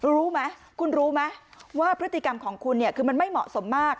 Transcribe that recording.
รู้ไหมคุณรู้ไหมว่าพฤติกรรมของคุณเนี่ยคือมันไม่เหมาะสมมาก